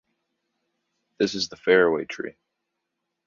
This is the Faraway Tree.